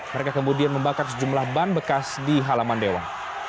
mereka kemudian membakar sejumlah ban bekas di halaman dewa